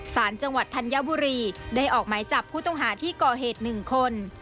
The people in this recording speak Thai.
สารจังหวัดธัญบุรีได้ออกหมายจับผู้ต้องหาที่ก่อเหตุ๑คน